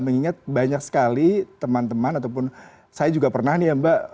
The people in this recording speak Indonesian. mengingat banyak sekali teman teman ataupun saya juga pernah nih ya mbak